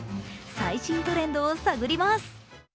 最新トレンドを探ります。